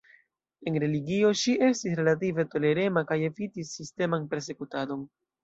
En religio, ŝi estis relative tolerema kaj evitis sisteman persekutadon.